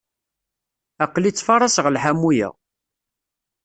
Aql-i ttfaraṣeɣ lḥamu-ya.